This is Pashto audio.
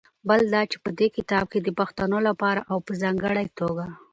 بل دا چې په دې کتاب کې د پښتنو لپاره او په ځانګړې توګه